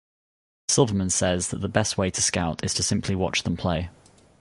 Silverman says that the best way to scout is to simply watch them play.